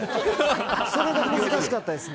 それが難しかったですね。